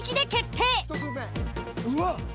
うわっ！